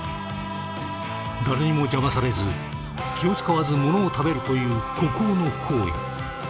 誰にも邪魔されず気を遣わずものを食べるという孤高の行為。